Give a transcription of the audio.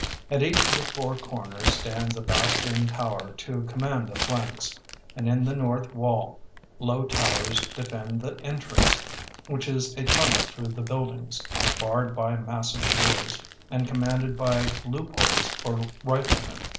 At each of the four corners stands a bastion tower to command the flanks, and in the north wall low towers defend the entrance, which is a tunnel through the buildings, barred by massive doors, and commanded by loopholes for riflemen.